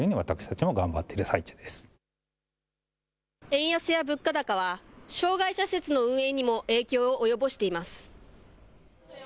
円安や物価高は、障害者施設の運営にも影響を及ぼしています。